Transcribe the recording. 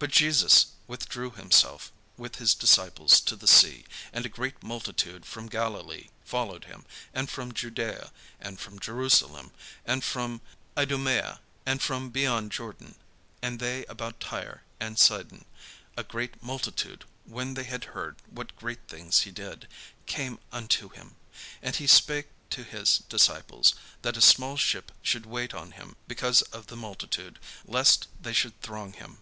But Jesus withdrew himself with his disciples to the sea: and a great multitude from Galilee followed him, and from Judaea, and from Jerusalem, and from Idumaea, and from beyond Jordan; and they about Tyre and Sidon, a great multitude, when they had heard what great things he did, came unto him. And he spake to his disciples, that a small ship should wait on him because of the multitude, lest they should throng him.